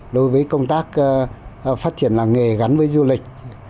đối với công tác phát triển làng nghề gắn với du lịch